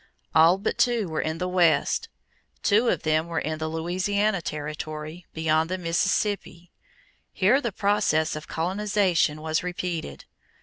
All but two were in the West. Two of them were in the Louisiana territory beyond the Mississippi. Here the process of colonization was repeated.